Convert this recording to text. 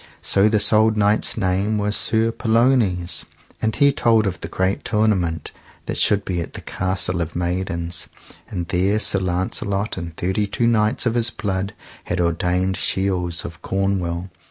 So this old knight's name was Sir Pellounes, and he told of the great tournament that should be at the Castle of Maidens. And there Sir Launcelot and thirty two knights of his blood had ordained shields of Cornwall.